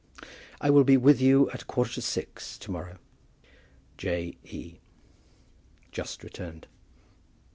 "I will be with you at a quarter to six to morrow. J. E. Just returned."